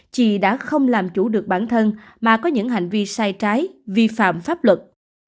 chị đã không làm chủ được bản thân mà có những hành vi sai trái vi phạm pháp luật